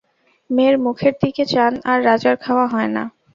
মেয়ের মুখের দিকে চান আর রাজার খাওয়া হয় না।